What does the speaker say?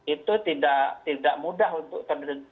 itu tidak mudah untuk terdeteksi secara luas